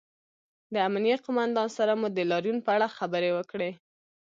د امنیې قومندان سره مو د لاریون په اړه خبرې وکړې